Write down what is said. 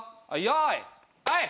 はい。